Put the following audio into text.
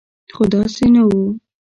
خو داسې نه و.